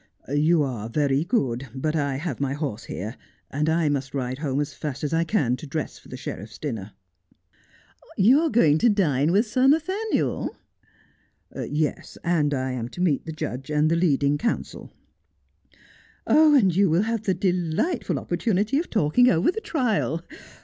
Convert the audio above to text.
' You are very good, but I have my horse here, and I must ride home as fast as I can to dress for the sheriff's dinner.' ' You are going to dine with Sir Nathaniel 1 '' Yes, I am to meet the judge and the leading counsel.' 'And you will have a delightful opportunity of talking over the trial.